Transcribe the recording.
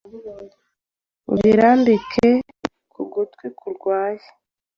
ubirambike ku gutwi kurwaye